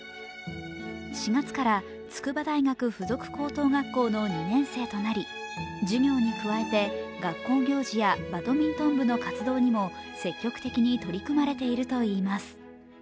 ４月から筑波大学附属高等学校の２年生となり、授業に加えて学校行事やバドミントン部の活動にも積極的に取り組まれているといいます。